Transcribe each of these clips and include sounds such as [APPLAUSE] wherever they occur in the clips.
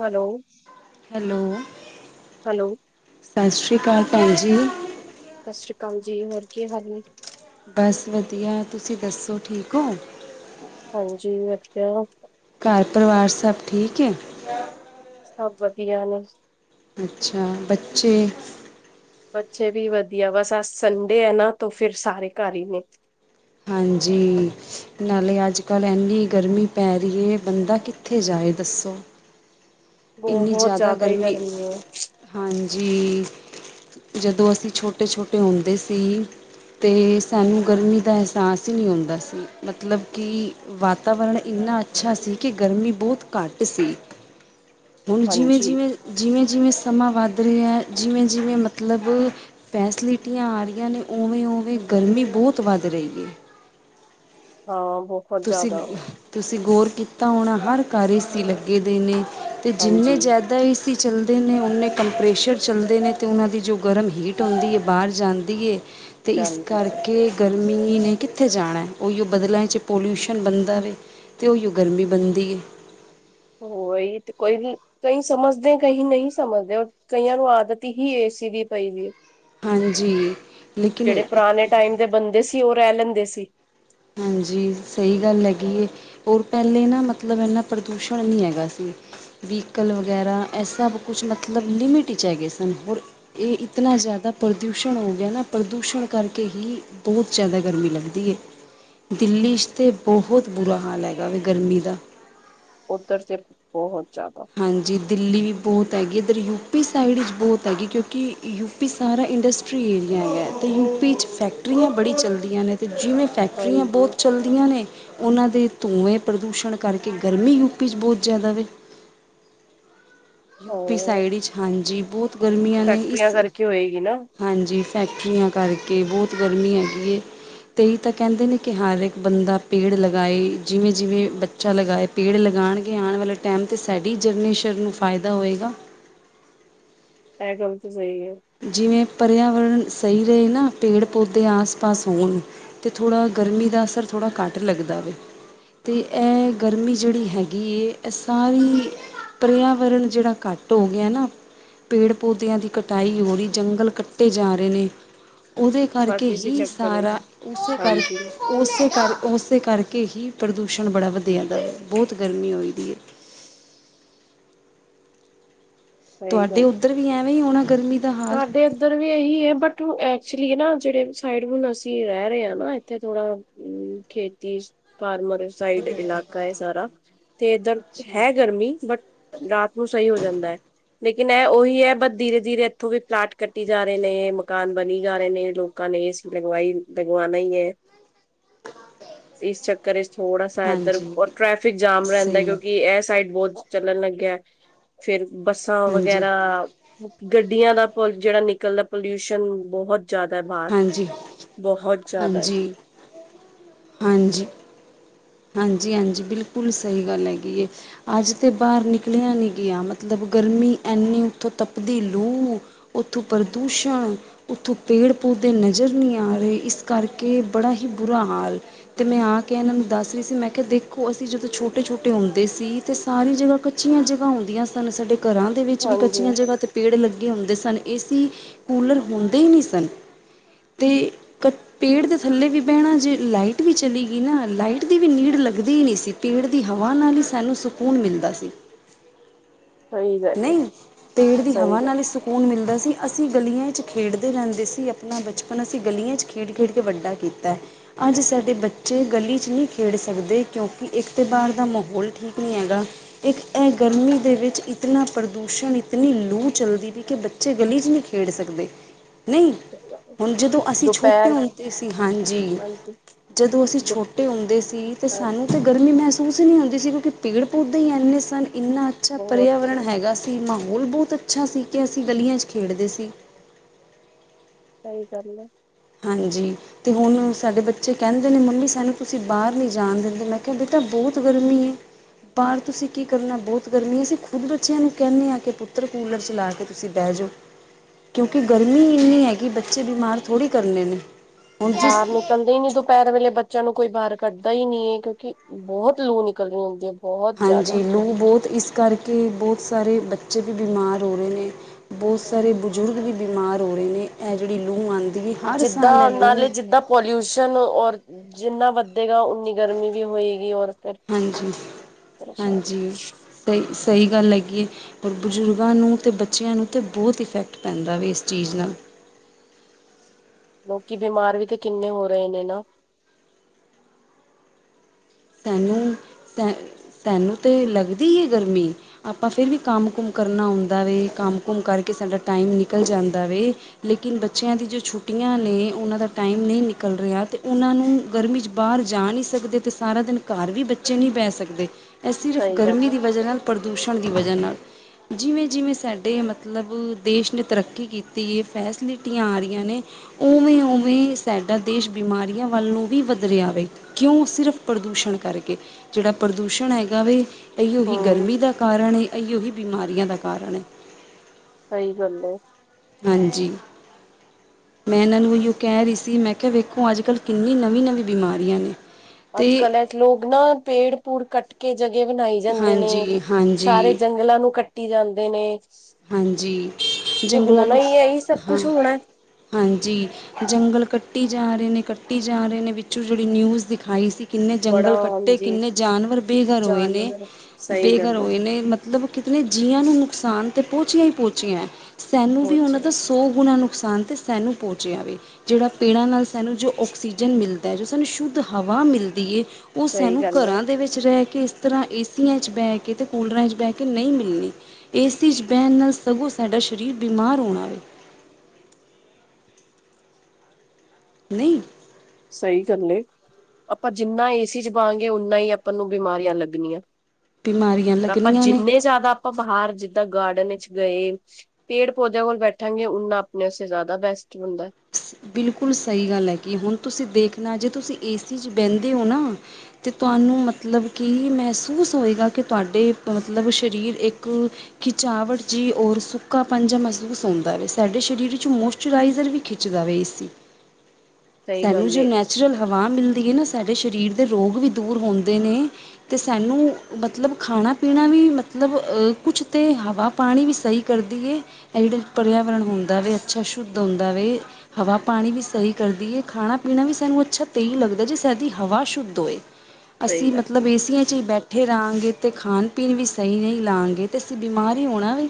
Hello, hello, hello ਸਤਿ ਸ੍ਰੀ ਅਕਾਲ ਭੈਣ ਜੀ। ਸਤਿ ਸ੍ਰੀ ਅਕਾਲ ਜੀ, ਹੋਰ ਕੀ ਹਾਲ ਨੇ? ਬਸ ਵਧੀਆ, ਤੁਸੀਂ ਦੱਸੋ ਠੀਕ ਹੋ? ਹਾਂਜੀ, ਵਧੀਆ। ਘਰ ਪਰਿਵਾਰ ਸਭ ਠੀਕ ਏ? ਸਭ ਵਧੀਆ ਨੇ। ਅੱਛਾ, ਬੱਚੇ ਬੱਚੇ ਵੀ ਵਧੀਆ, ਬਸ ਅੱਜ ਸੰਡੇ ਆ ਨਾ ਤਾ ਫਿਰ ਸਾਰੇ ਘਰ ਹੀ ਨੇ। ਹਾਂਜੀ, ਨਾਲੇ ਅੱਜ ਕੱਲ੍ਹ ਇੰਨੀ ਗਰਮੀ ਪੈ ਰਹੀ ਹੈ, ਬੰਦਾ ਕਿ ਕਿੱਥੇ ਜਾਏ ਦੱਸੋ? ਇੰਨੀ ਬਹੁਤ ਜ਼ਿਆਦਾ ਹੀ ਗਰਮੀ ਹੈ, ਹਾਂਜੀ। ਜਦੋਂ ਅਸੀਂ ਛੋਟੇ ਛੋਟੇ ਹੁੰਦੇ ਸੀ ਤੇ ਸਾਨੂੰ ਗਰਮੀ ਦਾ ਅਹਿਸਾਸ ਹੀ ਨਹੀਂ ਹੁੰਦਾ ਸੀ, ਮਤਲਬ ਕਿ ਵਾਤਾਵਰਨ ਇੰਨਾ ਅੱਛਾ ਸੀ, ਕਿ ਗਰਮੀ ਬਹੁਤ ਘੱਟ ਸੀ। ਹੁਣ ਹਾਂਜੀ ਜਿਵੇਂ-ਜਿਵੇਂ, ਜਿਵੇਂ-ਜਿਵੇਂ, ਸਮਾਂ ਵੱਧ ਰਿਹਾ ਜਿਵੇਂ-ਜਿਵੇਂ, ਮਤਲਬ ਫੈਸਿਲਿਟੀਆਂ ਆ ਰਹੀਆਂ ਨੇ, ਉਵੇਂ-ਉਵੇਂ ਗਰਮੀ ਬਹੁਤ ਵੱਧ ਰਹੀ ਹੈ। ਆਹੋ। ਤੁਸੀਂ ਤੁਸੀਂ ਗੌਰ ਕੀਤਾ ਹੋਣਾ, ਹਰ ਘਰ ਏ ਸੀ ਲੱਗੇ ਦੇ ਨੇ। ਤੇ ਜਿੰਨੇ ਹਾਂਜੀ ਜ਼ਿਆਦਾ ਏਸੀ ਚੱਲਦੇ ਨੇ ਉਨੇ ਕੰਪਰੇਸ਼ਰ ਚੱਲਦੇ ਨੇ, ਅਤੇ ਉਹਨਾਂ ਦੀ ਜੋ ਗਰਮ ਹੀਟ ਹੁੰਦੀ ਹੈ ਬਾਹਰ ਜਾਂਦੀ ਹੈ। ਤੇ ਇਸ ਜਾਂਦੀ ਹੈ, ਕਰਕੇ ਗਰਮੀ ਨੇ ਕਿੱਥੇ ਜਾਣਾ, ਉਹੀਓ ਬਦਲਾਂ 'ਚ ਪੋਲਿਊਸ਼ਨ ਬਣਦਾ ਵੇ, ਅਤੇ ਉਹੀ ਗਰਮੀ ਬਣਦੀ ਹੈ। ਉਹੀ ਤੇ ਕੋਈ ਨ ਕਈ ਸਮਝਦੇ ਕਈ ਨਹੀਂ ਸਮਝਦੇ, ਕਈਆਂ ਨੂੰ ਆਦਤ ਹੀ ਏ ਸੀ ਦੀ ਪਈ ਵੀ ਹਾਂਜੀ। ਜਿਹੜੇ ਲੇਕਿਨ ਪੁਰਾਣੇ ਟਾਈਮ ਦੇ ਬੰਦੇ ਸੀ, ਉਹ ਰਹਿ ਲੈਂਦੇ ਸੀ। ਹਾਂਜੀ, ਸਹੀ ਗੱਲ ਹੈਗੀ ਏ ਹੋਰ ਪਹਿਲੇ ਨਾ ਮਤਲਬ ਇੰਨਾ ਪ੍ਰਦੂਸ਼ਣ ਨਹੀਂ ਹੈਗਾ ਸੀ। ਵਹੀਕਲ ਵਗੈਰਾ ਐਹ ਸਭ ਕੁਛ ਮਤਲਬ ਲਿਮਿਟ ਵਿੱਚ ਹੈਗੇ ਸਨ ਹੋਰ, ਇਹ ਇਤਨਾ ਜ਼ਿਆਦਾ ਪ੍ਰਦੂਸ਼ਣ ਹੋ ਗਿਆ। ਨਾ ਪ੍ਰਦੂਸ਼ਣ ਕਰਕੇ ਹੀ, ਬਹੁਤ ਜ਼ਿਆਦਾ ਗਰਮੀ ਲੱਗਦੀ ਏ ਦਿੱਲੀ, 'ਚ ਤੇ ਬਹੁਤ ਬੁਰਾ ਹਾਲ ਹੈਗਾ ਵਾ ਗਰਮੀ ਦਾ। ਉੱਧਰ ਤੇ ਬਹੁਤ। ਜ਼ਿਆਦਾ। ਹਾਂਜੀ। ਦਿੱਲੀ ਬਹੁਤ ਹੈਗੀ ਇੱਧਰ ਯੂ ਪੀ ਸਾਈਡ ਵਿੱਚ ਬਹੁਤ ਹੈਗੀ ਕਿਉਂਕਿ ਯੂ ਪੀ ਸਾਰਾ ਇੰਡਸਟਰੀ। ਇੰਡਸਟਰੀਅਲ ਏਰੀਆ ਹੈਗਾ ਯੂ ਪੀ ਵਿੱਚ ਫੈਕਰੀਆਂ ਬੜੀਆ ਚਲਦੀਆਂ ਨੇ ਜਿਵੇ ਫੈਕਟਰੀਆਂ ਹਾਂਜੀ, ਬਹੁਤ ਚੱਲਦੀਆਂ। ਚਲਦੀਆਂ ਨੇ ਉਹਨਾਂ ਦੇ ਧੂੰਏਂ ਪ੍ਰਦੂਸ਼ਣ ਕਰਕੇ ਗਰਮੀ ਯੂ ਪੀ 'ਚ ਬਹੁਤ ਜ਼ਿਆਦਾ ਵੇ। ਯੂ ਪੀ ਹਾਂ ਸਾਈਡ ਵਿੱਚ ਹਾਂਜੀ ਬਹੁਤ ਗਰਮੀਆਂ ਨੇ। ਇਸ ਫੈਕਟਰੀਆਂ ਕਰਕੇ ਹੋਏਗੀ ਨਾ। ਹਾਂਜੀ ਫੈਕਟਰੀਆਂ ਕਰਕੇ ਬਹੁਤ ਗਰਮੀ ਹੈਗੀ ਏ ਤੇਈ ਤਾਂ ਕਹਿੰਦੇ ਨੇ ਕਿ ਹਰ ਇੱਕ ਬੰਦਾ ਪੇੜ ਲਗਾਏ। ਜਿਵੇਂ- ਜਿਵੇਂ ਬੱ। ਬੱਚਾ ਲਗਾਏ ਪੇੜ ਲਗਾਉਣਗੇ ਆਉਣ ਵਾਲੇ ਟਾਈਮ 'ਤੇ ਸਾਡੀ ਜਨਰੇੇਸ਼ਨ ਨੂੰ ਫਾਇਦਾ ਹੋਏਗਾ। ਐਹ ਗੱਲ ਤਾਂ ਸਹੀ ਹੈ। ਜਿਵੇਂ ਪਰਿਆਵਰਨ ਸਹੀ ਰਹੇ ਨਾ ਪੇੜ ਪੌਦੇ ਆਸ ਪਾਸ ਹੋਣ। ਤੇ ਥੋੜ੍ਹਾ ਗਰਮੀ ਦਾ ਅਸਰ ਥੋੜਾ ਘੱਟ ਲੱਗਦਾ ਵੇ। ਤੇ ਐਹ ਗਰਮੀ ਜਿਹੜੀ ਹੈਗੀ ਹੈ। ਇਹ ਸਾਰੀ ਪਰਿਆਵਰਨ ਜਿਹੜਾ ਘੱਟ ਹੋ ਗਿਆ ਨਾ ਪੇੜ ਪੌਦਿਆਂ ਦੀ ਕਟ ਤਾਈ ਹੋ ਰਹੀ ਜੰਗਲ ਕੱਟੇ ਜਾ ਰਹੇ ਨੇ। ਉਹਦੇ ਬਸ ਕਰਕੇ ਇਸੀ ਹੀ ਚੱਕਰ ਵਿੱਚ ਸਾਰਾ ਉਸੇ ਹਾਂਜੀ ਕਰਕੇ ਉਸ ਕਰ ਉਸ। ਉਹਦੇ ਕਰਕੇ ਹੀ ਪ੍ਰਦੂਸ਼ਣ ਬੜਾ ਵਧਿਆ ਜਾਂਦਾ ਬਹੁਤ ਗਰਮੀ ਹੋਈ ਦੀ ਹੈ। ਸਹੀ ਤੁਹਾਡੇ ਗੱਲ ਹੈ ਉੱਧਰ ਵੀ ਐਵੇਂ ਹੋਣਾ ਗਰਮੀ। ਦਾ ਹਾਲ ਸਾਡੇ। ਇੱਧਰ ਵੀ ਇਹੀ ਹੈ ਬਟ ਐਕਚੂਲੀ ਨਾ ਜਿਹੜੇ ਸਾਈਡ ਹੁਣ ਅਸੀਂ ਰਹਿ ਰਹੇ ਹਾਂ ਨਾ ਇੱਥੇ ਥੋੜਾ। ਹੂੰ ਖੇਤੀਸ ਫਾਰਮਰ। ਉਧਰ ਸਾਈਡ ਇਲਾਕਾ ਹੈ ਸਾਰਾ ਤੇ ਏਧਰ ਅੱਛਾ ਹੈ ਗਰਮੀ ਬਟ। ਰਾਤ ਨੂੰ ਸਹੀ ਹੋ ਜਾਂਦਾ ਹੈ ਲੇਕਿਨ ਇਹ ਉਹੀ ਹੈ ਬਸ ਧੀਰੇ, ਧੀਰੇ। ਉੱਥੋਂ ਵੀ ਪਲਾਟ ਕੱਟੀ ਜਾ ਰਹੇ ਨੇ ਮਕਾਨ ਬਣੀ ਜਾ ਰਹੇ ਨੇ ਲੋਕਾਂ ਨੇ ਏਸੀ ਲਗਵਾਈ ਲਗਵਾਉਣਾ ਹੀ ਐ ਹਾਂਜੀ। ਇਸ ਚੱਕਰ ਵਿਚ ਥੋੜਾ ਸਾ ਏਧਰ ਔਰ ਟ੍ਰੈਫਿਕ ਜਾਮ ਰਹਿੰਦਾ। ਸਹੀ ਕਿਉਂਕਿ ਇਹ ਸਾਈਡ ਬਹੁਤ, ਚੱਲਣ ਲੱਗਾ, ਫੇਰ ਬੱਸਾਂ ਹਾਂਜੀ ਵਗੈਰਾ ਗੱਡੀ। ਗੱਡੀਆਂ ਦਾ ਪ ਜਿਹੜਾ ਨਿਕਲਦਾ ਪੋਲਿਊਸ਼ਨ। ਬਹੁਤ ਜ਼ਿਆਦਾ ਹੈ ਬਾਹਰ ਹਾਂਜੀ ਬਹੁਤ ਜ਼ਿਆਦਾ ਹੈ। ਹਾਂਜੀ ਹਾਂਜੀ। ਹਾਂਜੀ- ਹਾਂਜੀ, ਬਿਲਕੁਲ, ਸਹੀ ਗੱਲ ਹੈਗੀ ਏ ਅੱਜ ਤੇ ਬਾਹਰ ਨਿਕਲਿਆ ਨੀ ਗਿਆ ਮਤਲਬ ਗਰਮੀ ਇੰਨੀ ਉੱਥੋਂ ਤਪਦੀ ਲੂੰ। ਉੱਤੋਂ ਪ੍ਰਦੂਸ਼ਣ। ਉੱਥੋਂ ਪੇੜ ਪੌਦੇ ਨਜ਼ਰ ਨਹੀਂ ਆ ਰਹੇ। ਇਸ ਕਰਕੇ ਬੜਾ ਹੀ ਬੁਰਾ ਹਾਲ ਹੈ ਤੇ ਮੈਂ ਆ ਕੇ ਇਹਨਾਂ ਨੂੰ ਦੱਸ। ਦਸਦੀ ਸੀ ਮੈਂ ਕਿਹਾ ਦੇਖੋ ਅਸੀਂ ਜਦੋਂ ਛੋਟੇ ਛੋਟੇ ਹੁੰਦੇ ਸੀ। ਤੇ ਸਾਰੀ ਜਗ੍ਹਾ ਕੱਚੀਆਂ ਜਗ੍ਹਾ ਹੁੰਦੀਆਂ ਸਨ। ਸਾਡੇ ਘਰਾਂ, ਦੇ ਵਿੱਚ ਵੀ ਹਾਂਜੀ ਕੱਚੀਆਂ ਜਗ੍ਹਾ ਤੇ ਪੇੜ ਲੱਗੇ ਹੁੰਦੇ ਸਨ। ਏਸੀ ਕੂਲਰ ਹੁੰਦੇ ਹੀ ਨੀ ਸਨ। ਤੇ ਇਕ ਪੇੜ ਦੇ ਥੱਲੇ ਵੀ ਬਹਿਣਾ ਜੇ ਲਾਈਟ ਵੀ ਚਲੀ ਗਈ ਨਾ ਲਾਈਟ। ਇਹਨਾਂ ਦੀ ਨੀੜ ਲੱਗਦੀ ਹੀ ਨਹੀਂ ਸੀ ਪੇੜ ਦੀ ਹਵਾ ਨਾਲ ਹੀ ਸਾਨੂੰ ਸਕੂਨ ਮਿਲਦਾ ਸੀ। ਸਹੀ ਗੱਲ ਨਹੀਂ, ਹੈ ਪੇੜ ਦੀ ਸਹੀ ਹਵਾ ਨਾਲ ਹੀ ਗੱਲ ਸੁੱਕ ਸਕੂਨ ਮਿਲਦਾ ਸੀ, ਅਸੀਂ ਗਲੀਆਂ 'ਚ ਖੇਡਦੇ ਰਹਿੰਦੇ ਸੀ। ਆਪਣਾ ਬਚਪਨ ਅਸੀਂ ਗਲੀਆਂ 'ਚ ਖੇਡ-ਖੇਡ ਕੇ ਵੱਡਾ ਕੀਤਾ। ਅੱਜ ਸਾਡੇ ਬੱਚੇ ਗਲੀ 'ਚ ਨਹੀਂ ਖੇਡ ਸਕਦੇ। ਕਿਉਂਕਿ ਇੱਕ ਤਾਂ ਬਾਹਰ ਦਾ ਮਾਹੌਲ ਠੀਕ ਨਹੀਂ ਹੈਗਾ। ਇੱਕ ਇਹ ਗਰਮੀ ਦੇ ਵਿੱਚ ਇਤਨਾ ਪ੍ਰਦੂਸ਼ਣ ਇਤਨੀ ਲੂ ਚੱਲਦੀ ਪਈ, ਕਿ ਬੱਚੇ ਗਲੀ ਚ ਨਹੀਂ ਖੇਡ ਸਕਦੇ। ਨਹੀਂ, ਹੁਣ ਜਦੋਂ ਅਸੀਂ ਛੋਟੇ ਦੁਪਹਿਰ ਹੁੰਦੇ ਸੀ, ਹਾਂਜੀ। ਜਦੋਂ ਅਸੀਂ ਦੁ ਛੋਟੇ ਹੁੰਦੇ ਸੀ। ਤਾਂ ਹਾਂਜੀ ਸਾਨੂੰ ਗਰਮੀ ਮਹਿਸੂਸ ਹੀ ਨਹੀਂ ਹੁੰਦੀ ਸੀ, ਕਿਉਂਕਿ ਪੇੜ ਪੌਧੇ ਹੀ ਇੰਨੇ ਸਨ ਇੰਨਾ ਅੱਛਾ ਬਹੁਤ ਪਰਿਆਵਰਨ ਸਹੀ ਦਾ ਸੀ ਮਾਹੌਲ ਬਹੁਤ ਅੱਛਾ ਸੀ, ਕਿ ਅਸੀਂ ਗਲੀਆਂ 'ਚ ਖੇਡਦੇ ਸੀ। ਸਹੀ ਗੱਲ ਐ। ਹਾਂਜੀ। ਤੇ ਹੁਣ ਸਾਡੇ ਬੱਚੇ ਕਹਿੰਦੇ ਨੇ ਮੰਮੀ ਸਾਨੂੰ ਤੁਸੀਂ ਬਾਹਰ ਨਹੀਂ ਜਾਣ ਦਿੰਦੇ, ਮੈਂ ਕਿਹਾ ਬੇਟਾ ਬਹੁਤ ਗਰਮੀ ਹੈ। ਪਰ, ਤੁਸੀਂ ਕੀ ਕਰਨਾ ਬਹੁਤ ਗਰਮੀ ਅਸੀਂ ਖੁਦ ਬੱਚਿਆਂ ਨੂੰ ਕਹਿੰਦੇ ਹਾਂ, ਕਿ ਪੁੱਤਰ ਕੂਲਰ ਚਲਾ ਕੇ ਤੁਸੀਂ ਬਹਿ ਜਾਓ, ਕਿਉਂਕਿ ਗਰਮੀ ਇੰਨੀ ਹੈ। ਕਿ ਬੱਚੇ ਬਿਮਾਰ ਥੋੜ੍ਹੇ ਕਰਨੇ ਨੇ। ਹੁਣ ਬਾਹਰ ਜਿਸ ਨਿਕਲ ਘੱਲਦੇ ਹੀ ਨੀ ਦੁਪਹਿਰ ਵੇਲੇ ਬੱਚਿਆਂ ਨੂੰ ਕੋਈ ਬਾਹਰ ਕੱਢਦਾ ਹੀ ਨੀ ਹੈ, ਕਿਉਂਕਿ ਬਹੁਤ ਲੂ ਨਿਕਲ ਰਹੀ ਹੁੰਦੀ ਹੈ। ਬਹੁਤ ਜ਼ਿਆਦਾ ਹਾਂਜੀ, ਲੂ ਬਹੁਤ ਇਸ ਕਰਕੇ ਬਹੁਤ ਸਾਰੇ ਬੱਚੇ ਵੀ ਬਿਮਾਰ ਹੋ ਰਹੇ ਨੇ। ਬਹੁਤ ਸਾਰੇ ਬਜ਼ੁਰਗ ਵੀ ਬਿਮਾਰ ਹੋ ਰਹੇ ਨੇ, ਇਹ ਜਿਹੜੀ ਲੂ ਆਉਂਦੀ ਹੈ ਹਰ ਸਾਲ ਜਿੱਦਾਂ ਇਹ ਲੂ ਨਾਲੇ ਜਿੱਦਾਂ ਪੋਲਿਊਸ਼ਨ ਔਰ ਜਿੰਨਾ ਵ ਵਧਗਾ, ਓਨੀ ਗਰਮੀ ਵੀ ਹੋਏਗੀ। [INAUDIBLE] ਹਾਂਜੀ ਹਾਂਜੀ ਸਹੀ ਸਹੀ ਗੱਲ ਹੈਗੀ ਹੈ। ਔਰ ਬਜ਼ੁਰਗਾਂ ਨੂੰ ਅਤੇ ਬੱਚਿਆਂ ਨੂੰ ਤਾਂ ਬਹੁਤ ਇਫੈਕਟ ਪੈਂਦਾ ਵਾ ਇਸ ਚੀਜ਼ ਨਾਲ। ਲੋਕੀ ਬਿਮਾਰ ਵੀ ਤੇ ਕਿੰਨੇ ਹੋ ਰਹੇ ਨੇ ਨਾ। ਤੈਨੂੰ ਸੈ ਤੈਨੂੰ ਤਾਂ ਲੱਗਦੀ ਹੈ, ਗਰਮੀ? ਆਪਾਂ ਫਿਰ ਵੀ ਕੰਮ ਕੁਮ ਕਰਨਾ ਹੁੰਦਾ ਵੇ, ਕੰਮ ਕੁਮ ਕਰਕੇ ਸਾਡਾ ਟਾਈਮ ਨਿਕਲ ਜਾਂਦਾ ਵਾ। ਲੇਕਿਨ ਬੱਚਿਆਂ ਦੀ ਜੋ ਛੁੱਟੀਆਂ ਨੇ ਉਹਨਾਂ ਦਾ ਟਾਈਮ ਨਹੀਂ ਨਿਕਲ ਰਿਹਾ, ਅਤੇ ਉਹਨਾਂ ਨੂੰ ਗਰਮੀ 'ਚ ਬਾਹਰ ਜਾ ਨਹੀਂ ਸਕਦੇ, ਅਤੇ ਸਾਰਾ ਦਿਨ ਘਰ ਵੀ ਬੱਚੇ ਨਹੀਂ ਬਹਿ ਸਕਦੇ, ਇਹ ਸਿਰਫ ਸਹੀ ਗੱਲ ਗਰਮੀ ਹੈ। ਦੀ ਵਜ੍ਹਾ ਨਾਲ ਪ੍ਰਦੂਸ਼ਣ ਦੀ ਵਜ੍ਹਾ ਨਾਲ ਜਿਵੇਂ-ਜਿਵੇਂ ਸਾਡੇ ਮਤਲਬ, ਦੇਸ਼ ਨੇ ਤਰੱਕੀ ਕੀਤੀ ਹੈ, ਫੈਸਿਲਿਟੀਆਂ ਆ ਰਹੀਆਂ ਨੇ ਉਵੇਂ-ਉਵੇਂ ਸਾਡਾ ਦੇਸ਼ ਬਿਮਾਰੀਆਂ ਵੱਲ ਨੂੰ ਵੀ ਵਧ ਰਿਹਾ ਕਿਉਂ ਸਿਰਫ ਪ੍ਰਦੂਸ਼ਣ ਕਰਕੇ ਜਿਹੜਾ ਪ੍ਰਦੂਸ਼ਣ ਹੈਗਾ ਵਾ, ਏਉਹੀ ਹੂੰ ਗਰਮੀ ਦਾ ਕਾਰਨ ਏ ਇਹੀ ਉਹੀ ਬਿਮਾਰੀਆਂ ਦਾ ਕਾਰਨ ਹੈ। ਸਹੀ ਗੱਲ ਆ। ਹਾਂਜੀ। ਮੈਂ ਇਹਨਾਂ ਨੂੰ ਇਹੀ ਉਹ ਕਹਿ ਰਹੀ ਸੀ, ਮੈਂ ਕਿਹਾ ਵੇਖੋ ਅੱਜ-ਕੱਲ੍ਹ ਕਿੰਨੀ ਨਵੀਂ-ਨਵੀਂ ਬਿਮਾਰੀਆਂ ਨੇ। ਅਤੇ ਅੱਜ-ਕੱਲ ਐ ਲੋਕ ਨਾ ਪੇੜ ਪੂੜ ਕੱਟ ਜਗ੍ਹਾ ਬਣਾਈ ਜਾਂਦੇ ਨੇ, ਹਾਂਜੀ ਸਾਰੇ ਹਾਂਜੀ ਜੰਗਲਾਂ ਨੂੰ ਕੱਟੀ ਜਾਂਦੇ ਨੇ। ਹਾਂਜੀ, ਤੇ ਜੰਗਲਾਂ ਹੋਣਾ ਨੂੰ ਹੀ ਹੈ, ਇਹੀ ਸਭ ਹਾਂ, ਕੁਛ ਹੋਣਾ। ਹਾਂਜੀ। ਜੰਗਲ ਕੱਟੀ ਜਾ ਰਹੇ ਨੇ, ਕੱਟੀ ਜਾ ਰਹੇ ਨੇ ਵਿੱਚੋਂ ਜਿਹੜੀ ਨਿਊਜ਼ ਦਿਖਾਈ ਸੀ। ਕਿੰਨੇ ਬੜਾ ਜੰਗਲ ਕੱਟੇ, ਹਾਂਜੀ ਕਿੰਨੇ ਜਾਨਵਰ ਬੇਘਰ ਹੋਏ ਨੇ ਜਾਨਵਰ ਸਹੀ ਬੇਘਰ ਗੱਲ ਏ ਹੋਏ ਨੇ। ਮਤਲਬ, ਕਿਤੇ ਜੀਆਂ ਨੂੰ ਨੁਕਸਾਨ ਤੇ ਪਹੁੰਚੀਆਂ ਹੀ ਪਹੁੰਚੀਆਂ ਸਾਨੂੰ ਵੀ ਹੋਰ ਉਹਨਾਂ ਦਾ ਸਹੀ। ਸੋ ਗੁਣਾ ਨੁਕਸਾਨ ਤੇ ਸਾਨੂੰ ਪਹੁੰਚ ਜਾਵੇ। ਜਿਹੜਾ ਪੇੜਾਂ ਨਾਲ ਸਾਨੂੰ ਜੋ ਆਕਸੀਜਨ ਮਿਲਦਾ ਹੈ, ਜੋ ਸਾਨੂੰ ਸ਼ੁੱਧ ਹਵਾ ਮਿਲਦੀ ਹੈ। ਉਹ ਸਹੀ ਸਾਨੂੰ ਗੱਲ ਏ ਘਰਾਂ ਦੇ ਵਿੱਚ ਰਹਿ ਕੇ ਤਰਾਂ ਏਸੀਆਂ 'ਚ ਬੈ ਕੇ ਤੇ ਕੂਲਰਾਂ 'ਚ ਬੈ ਕੇ ਨਈ ਮਿਲਨੀ। ਏ ਤੀ 'ਚ ਬੈਨ ਨਾਲ ਸਗੋਂ ਸਾਡਾ ਸ਼ਰੀਰ ਬਿਮਾਰ ਹੋਨਾ ਵੇ। ਨਈ ਸਈ ਗੱਲ ਏ। ਆਪਾਂ ਜਿੰਨਾ ਏਸੀ 'ਚ ਬਾਂਅ ਗੇ ਓਨਾ ਈ ਆਪਾਂ ਨੂੰ ਬਿਮਾਰੀਆਂ ਲੱਗਨੀਆਂ। ਬਿਮਾਰੀਆਂ ਔਰ ਆਪਾਂ ਲੱਗਣੀਆਂ ਨੇ ਜਿੰਨੇ ਜ਼ਿਆਦਾ ਆਪਾਂ ਬਾਹਾਰ ਜਿੱਦਾਂ ਗਾਰਡਨ ਇੱਚ ਗਏ ਪੇੜ ਪੌਦਿਆਂ ਕੋਲ ਬੈਠਾਂਗੇ ਉਨਾ ਆਪਨੇ ਆਸੇ ਜ਼ਿਆਦਾ ਬੈਸਟ ਹੁੰਦੈ। ਬਿਲਕੁਲ ਸਈ ਗੱਲ ਐ ਕਿ ਹੁਨ ਤੁਸੀ ਦੇਖਨਾ ਜੇ ਤੁਸੀ ਏ ਸੀ 'ਚ ਬੈਂਦੇ ਓ ਨਾ ਤੇ ਤੁਆਨੂੰ ਮਤਲਬ ਕਿ ਮਹਿਸੂਸ ਹੋਏਗਾ ਕੇ ਤੁਆਡੇ ਪ ਮਤਲਬ ਸ਼ਰੀਰ ਏੱਕ ਖਿਚਾਵਟ ਜੀ ਔਰ ਸੁੱਕਾਪਨ ਜਾ ਮਹਿਸੂਸ ਹੋਂਦਾ ਵੇ। ਸਾਡੇ ਸ਼ਰੀਰ ਇੱਚ ਮੋਸਚਰਾਈਜ਼ਰ ਵੀ ਖਿੱਚ ਰਾਵੇ ਏ ਸੀ, ਸਹੀ ਸੈਨੂੰ ਗੱਲ ਜੋ ਏ, ਨੈ ਚੁਰਲ ਹਵਾ ਮਿਲਦੀ ਏ ਨਾ ਸਾਡੇ ਸ਼ਰੀਰ ਦੇ ਰੋਗ ਵੀ ਦੂਰ ਹੋਂਦੇ ਨੇ ਤੇ ਸਾਨੂੰ ਮਤਲਬ ਖਾਣਾ ਪੀਣਾ ਵੀ ਮਤਲਬ ਅ ਕੁਛ ਤੇ ਹਵਾ ਪਾਣੀ ਵੀ ਸਈ ਕਰਦੀ ਏ। ਐ ਜੜਾ ਪਰੇਆਵਰਨ ਹੁੰਦਾ ਵੇ ਅੱਛਾ ਸ਼ੁੱਧ ਹੁੰਦਾ ਵੇ ਹਵਾ ਪਾਣੀ ਵੀ ਸਹੀ ਕਰਦੀ ਏ। ਖਾਣਾ ਪੀਣਾ ਵੀ ਸਾਨੂੰ ਅੱਛਾ ਤੇ ਈਂ ਲੱਗਦੈ ਜੇ ਸਾਡੀ ਹਵਾ ਸ਼ੁੱਧ ਹੋਏ। ਸਹੀ ਅਸੀ ਗੱਲ ਏ, ਮਤਲਬ ਏਸੀਆਂ 'ਚ ਹੀ ਬੈ ਠੇ ਰਾਂਗੇ ਤੇ ਖਾਨ ਪੀਨ ਵੀ ਸਈ ਨੀ ਲਾਂਗੇ ਤੇ ਅਸੀ ਬਿਮਾਰ ਹੀ ਹੋਣਾ ਵੇ।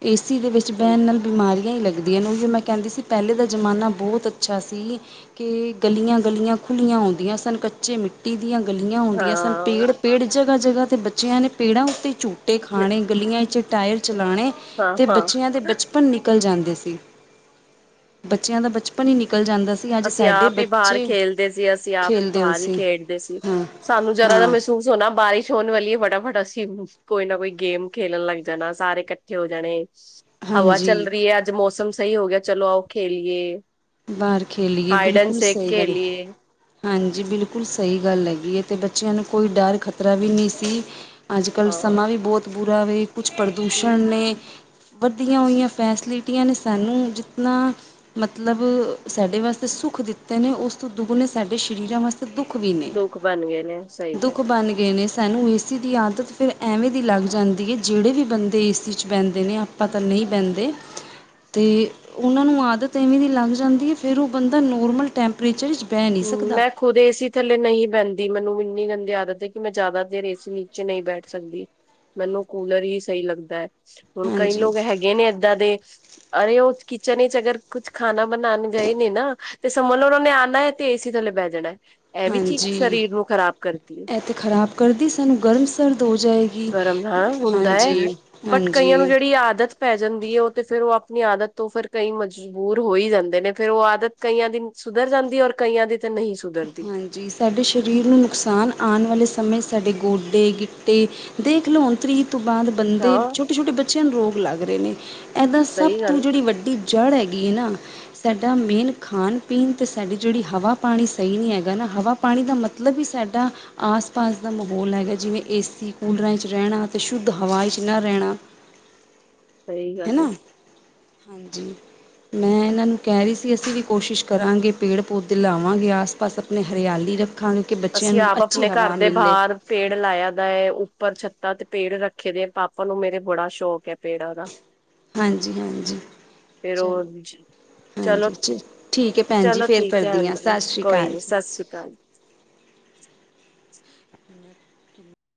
ਤੇ ਏ ਸੀ ਦੇ ਵਿੱਚ ਸਹੀ ਬੈਹਨ ਨਾਲ ਬਿਮਾਰੀਆਂ ਈ ਲੱਗਦੀਆਂ ਨ। ਓਈੳ ਮੈਂ ਕੈਂਦੀ ਸੀ ਪੈਲੇ ਦਾ ਜਮਾਨਾ ਬੋਤ ਅੱਛਾ ਸੀ। ਕਿ ਗਲੀਆਂ-ਗਲੀਆਂ ਖੁੱਲੀਆਂ ਹੁੰਂਦੀਆਂ ਸਨ। ਕੱਚੇ ਮਿੱ ਟੀ ਦੀਆਂ ਗਲੀਆਂ ਹੁੰਦੀਆਂ ਸਨ। ਹਾਂ। ਪੇੜ, ਪੇੜ ਜਗਾ-ਜਗਾ ਤੇ ਬੱਚਿਆਂ ਨੇ ਪੇੜਾਂ ਉੱਤੇ ਝੂੰ ਟੇ ਖਾਣੇ, ਗਲੀਆਂ ਇੱਚ ਟਾਇਰ ਚਲਾਣੇ ਤੇ ਹਾਂ-ਹਾਂ, ਬੱਚਿਆਂ ਦੇ ਬਚ ਪਨ ਨਿਕਲ ਜਾਂਦੇ ਸੀ। ਬੱਚਿਆਂ ਦਾ ਬਚਪਨ ਈ ਨਿਕਲ ਜਾਂਦਾ ਸੀ ਅੱਜ ਅਸੀ ਸਾਡੇ ਆਪ ਈ ਬਾਹਰ ਬੱਚੇ ਖੇਲਦੇ ਸੀ। ਅਸੀ ਆਪ ਈ ਖੇਲਦੇ ਹੋ ਬਾਹਰ ਹੀ ਸੀ ਖੇਡਦੇ ਸੀ। ਹਾਂ ਸਾਨੂੰ ਜਰਾ ਜਾ ਹਾਂ ਮਹਿਸੂਸ ਹੋਨਾ ਬਾਰਿਸ਼ ਹੋਮ ਵਾਲੀ ਏ, ਫਟਾਫਟ ਅਸੀ ਕੋਈ ਨਾ ਕੋਈ ਗੇਮ ਖੇਲਮ ਲੱਗ ਜਾਨਾ। ਸਾਰੇ ਇਕੱਠੇ ਹੋ ਜਾਨੇ ਹਵਾ ਚਲ ਹਾਂਜੀ ਰੀ ਐ, ਅੱਜ ਮੌਸਮ ਸਈ ਹੋ ਗਿਐ, ਚਲੋ ਆਓ ਖੇਲੀਏ। ਬਾਹਰ ਖੇਲੀਏ, ਹਾਈਡ ਐਂਡ ਬਿਲਕੁਲ ਸਿਕ ਸਹੀ ਗੱਲ ਏ। ਖੇਲੀਏ, ਹਾਂਜੀ, ਬਿਲਕੁਲ ਸਈ ਗੱਲ ਹੈਗੀ ਏ ਤੇ ਬੱਚਿਆਂ ਨੂੰ ਕੋਈ ਡਰ ਖਤਰਾ ਵੀ ਨੀ ਸੀ। ਅੱਜ-ਕੱਲ ਹਾਂ ਸਮਾਂ ਵੀ ਬੋਤ ਬੁਰਾ ਵੇ। ਕੁਛ ਪ੍ਰਦੂਸ਼ਨ ਨੇ ਵੱਧੀਆਂ ਹੋਈਆਂ ਫੈਸਲਿਟੀਆਂ ਨੇ ਸਾਨੂੰ ਜਿਤਨਾ ਮਤਲਬ ਸਾਡੇ ਵਾਸਤੇ ਸੁੱਖ ਦਿੱਤੇ ਨੇ ਉਸ ਤੋਂ ਦੁਗਨੇ ਸਾਡੇ ਸ਼ਰੀਰਾਂ ਵਾਸ ਤੇ ਦੁੱਖ ਵੀ ਨੇ। ਦੁੱਖ ਬਣ ਗਏ ਨੇ, ਸਹੀ ਦੁੱਖ ਗੱਲ। ਬਣ ਗਏ ਨੇ ਸਾਨੂੰ ਏ ਸੀ ਦੀ ਆਦਤ ਫਿਰ ਐਵੇਂ ਦੀ ਲੱਗ ਜਾਂਦੀ ਏ ਜੇੜੇ ਵੀ ਬੰਦੇ ਏ ਸੀ 'ਚ ਬੈਂਦੇ ਨੇ ਆ ਪਾਂ ਤੇ ਨਈ ਬੈਂਦੇ ਤੇ ਓਨਾਂ ਨੂੰ ਆਦਤ ਤੇ ਐਵੇਂ ਦੀ ਲੱਗ ਜਾਂਦੀ ਏ ਫੇਰ ਓ ਬੰਦਾ ਨੋਰਮਲ ਟੈਂਪਰੇਚਰ ਇੱਚ ਬੈ ਨੀ ਹੂੰ ਸਕਦਾ। ਮੈਂ ਖੁਦ ਏ ਸੀ ਥੱਲੇ ਨਈ ਬੈਂਦੀ। ਮੈਨੂੰ ਇੰਨੀ ਗੰਦੀ ਆਦਤ ਏ ਕਿ ਮੈਂ ਜਿਆਦਾ ਦੇਰ ਏ ਸੀ ਨੀਚੇ ਨਈ ਬੈਠ ਸਕਦੀ। ਮੈਨੂੰ ਕੂਲਰ ਹੀ ਸਹੀ ਲੱਗਦੈ, ਹੁਣ ਕਈ ਹਾਂਜੀ ਲੋਗ ਹੈਗੇ ਨੇ ਏਦਾਂ ਦੇ ਅਰੇ ਓ ਕਿਚਨ ਇੱਚ ਅਗਰ ਕੁਛ ਖਾਨਾ ਬਨਾਨ ਗਏ ਨੇ ਨਾ ਤੇ ਸਮਝ ਲੋ ਔਰ ਓਨਾ ਨੇ ਆਨੈ ਤੇ ਏ ਸੀ ਥੱਲੇ ਬੈ ਜਾਨੈ। ਐ ਵੀ ਚੀਜ ਸਰੀਰ ਨੂੰ ਖਰਾਬ ਕਰਦੀ ਏ। ਖਰਾਬ ਕਰਦੀ, ਸਾਨੂੰ ਗਰਮ ਸਰਦ ਹੋ ਜਾਏ ਗਰਮ ਹਾਂ ਹੁੰਦੈ ਬਟ ਕਈਆਂ ਨੂੰ ਹਾਂਜੀ ਜੜੀ ਆਦਤ ਪੈ ਜਾਂਦੀ ਏ, ਓ ਤੇ ਫੇਰ ਓ ਆਪਨੀ ਆਦਤ ਤੋਂ ਫੇਰ ਕਈ ਮਜ ਬੂਰ ਹੋ ਈ ਜਾਂਦੇ ਨੇ। ਫੇਰ ਓ ਆਦਤ ਕਈਆਂ ਦੀ ਸੁਧਰ ਜਾਂਦੀ ਏ ਔਰ ਕਈਆਂ ਦੀ ਤੇ ਨਹੀਂ ਸੁਧਰਦੀ ਹਾਂਜੀ, ਸਾਡੇ ਸ਼ਰੀਰ ਨੂੰ ਨੁਕਸਾਨ ਆਮ ਵਾਲੇ ਸਮੇਂ ਸਾਡੇ ਗੋਡੇ, ਗਿੱਟੇ ਦੇਖ ਲੋ ਹੁਨ ਤ੍ਰੀ ਤੋਂ ਬਾਦ ਬੰਦੇ ਹਾਂ ਛੋਟੇ-ਛੋਟੇ ਬੱਚਿਆਂ ਨੂੰ ਰੋਗ ਲੱਗ ਰੇ ਨੇ। ਐਦਾ ਸਭ ਸਹੀ ਗੱਲ ਤੋਂ ਜੜੀ ਵੱਡੀ ਜੜ੍ਹ ਹੈਗੀ ਏ ਨਾ ਸਾਡਾ ਮੇਨ ਖਾਣ-ਪੀਣ ਤੇ ਸਾਡੀ ਜਿਹੜੀ ਹਵਾ ਪਾਣੀ ਸਈ ਨੀ ਹੈਗਾ ਨਾ ਹਵਾ ਪਾਣੀ ਦਾ ਮਤਲਬ ਈ ਸਾਡਾ ਆਸ ਪਾਸ ਦਾ ਮਾਹੌਲ ਹੈਗਾ ਜਿਵੇਂ ਏ ਸੀ ਕੂਲਰਾਂ 'ਚ ਰਹਿਣਾ ਅਤੇ ਸ਼ੁੱਧ ਹਵਾ 'ਚ ਨਾ ਰਹਿਣਾ ਸਹੀ ਗੱਲ ਹੈਨਾ, ਹੈ ਹਾਂਜੀ ਮੈਂ ਇਹਨਾਂ ਨੂੰ ਕਹਿ ਰੀ ਸੀ ਅਸੀਂ ਵੀ ਕੋਸ਼ਿਸ਼ ਕਰਾਂਗੇ ਪੇੜ ਪੌਦੇ ਲਾਵਾਂਗੇ ਆਸ ਪਾਸ ਆਪਣੇ ਹਰਿਆਲੀ ਰੱਖਾਂਗੇ ਕਿ ਬੱਚਿਆਂ ਅਸੀਂ ਨੂੰ ਆਪ ਅੱਛੀ ਆਪਣੇ ਘਰ ਹਵਾ ਦੇ ਮਿਲੇ ਬਾਹਰ ਪੇੜ ਲਾਇਆ ਦਾ ਏ, ਉੱਪਰ ਛੱਤਾਂ ਤੇ ਪੇੜ ਰੱਖੇ ਦੇ, ਪਾਪਾ ਨੂੰ ਮੇਰੇ ਬੜਾ ਸ਼ੌਕ ਹੈ ਪੇੜਾਂ ਦਾ। ਹਾਂਜੀ, ਹਾਂਜੀ। ਤੇ ਚਲੋ ਰੋਜ ਚਲੋ, ਹਾਂਜੀ ਚ ਠੀਕ ਹੈ ਭੈਣ ਜੀ ਚਲੋ ਫੇਰ ਠੀਕ ਐ ਕਰਦੀ ਹਾਂ ਹਾਂਜੀ ਸਤਿ ਸ਼੍ਰੀ ਕੋਈ ਅਕਾਲ ਨੀ ਜੀ 'ਸਤਿ ਸ੍ਰੀ ਅਕਾਲ'।